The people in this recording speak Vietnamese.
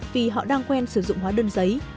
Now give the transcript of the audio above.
vì họ đang quen sử dụng hóa đơn giấy